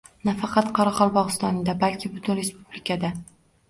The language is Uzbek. Nafaqat Qoraqalpog'istonda, balki butun respublikada!